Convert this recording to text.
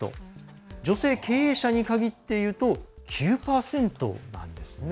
女性経営者に限っていうと９％なんですね。